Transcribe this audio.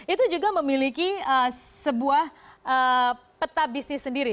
itu juga memiliki sebuah peta bisnis sendiri